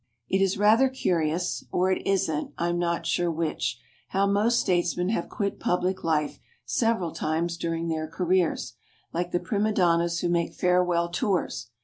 It is rather curious (or it isn't, I'm not sure which) how most statesmen have quit public life several times during their careers, like the prima donnas who make farewell tours.